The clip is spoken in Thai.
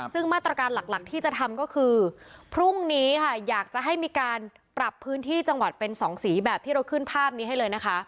ซึ่งมาตรการหลักที่จะทำก็คือพรุ่งนี้ค่ะอยากจะให้มีการปรับพื้นที่จังหวัดเป็นสองสีแบบที่เราขึ้นภาพนี้ให้เลยนะคะ